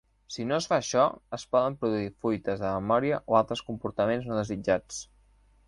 Si no es fa això, es poden produir fuites de memòria o altres comportaments no desitjats.